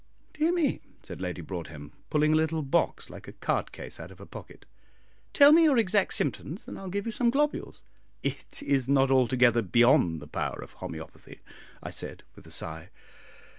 "Dear me," said Lady Broadhem, pulling a little box like a card case out of her pocket, "tell me your exact symptoms, and I'll give you some globules." "It is not altogether beyond the power of homoeopathy," I said, with a sigh.